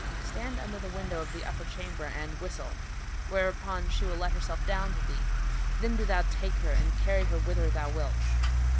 Stand under the window of the upper chamber and whistle; whereupon she will let herself down to thee; then do thou take her and carry her whither thou wilt."